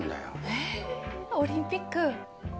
ええオリンピック！